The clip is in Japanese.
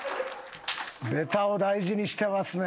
ベタを大事にしてますね。